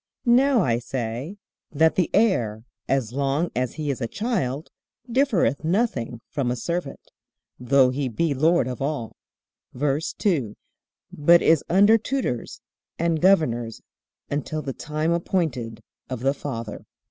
Now I say, That the heir, as long as he is a child, differeth nothing from a servant, though he be Lord of all; VERSE 2. But is under tutors and governors until the time appointed of the father.